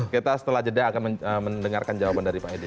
kita setelah jeda akan mendengarkan jawaban dari pak edi